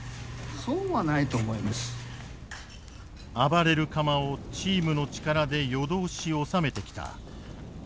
暴れる釜をチームの力で夜通し収めてきた。